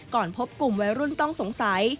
ก่อนพบกลุ่มวัยรุ่นต้องสงสัย